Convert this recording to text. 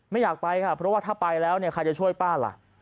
อยากไปค่ะเพราะว่าถ้าไปแล้วเนี่ยใครจะช่วยป้าล่ะ